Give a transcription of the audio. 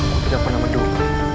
aku tidak pernah menduga